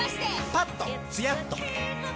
パッとツヤっとピーン！